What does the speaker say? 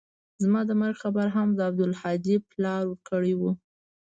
زما د مرګ خبر هم د عبدالهادي پلار ورکړى و.